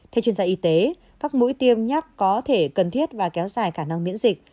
theo chuyên gia y tế các mũi tiêm nhắc có thể cần thiết và kéo dài khả năng miễn dịch